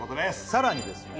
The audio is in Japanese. さらにですね